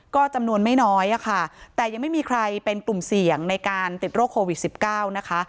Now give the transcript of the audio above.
ก็จำนวนไม่น้อยอะค่ะแต่ยังไม่มีใครเป็นกลุ่มเสี่ยงในการติดโรคโควิด๑๙นะคะ